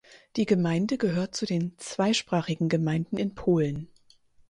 Die Gemeinde gehört zu den zweisprachigen Gemeinden in Polen.